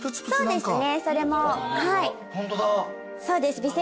そうです。